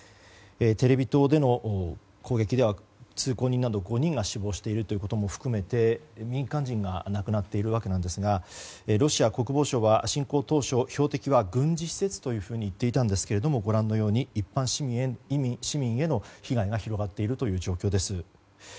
テレビ塔での攻撃では通行人など５人が死亡していることも含めて民間人が亡くなっているわけですがロシア国防省は侵攻当初、標的は軍事施設と言っていたんですがご覧のように一般市民への被害が広がっているという状況です。